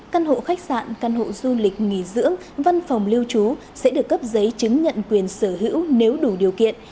căn hộ khách sạn căn hộ du lịch nghỉ dưỡng văn phòng lưu trú sẽ được cấp giấy chứng nhận quyền sở hữu nếu đủ điều kiện